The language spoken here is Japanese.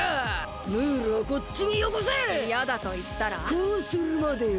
こうするまでよ！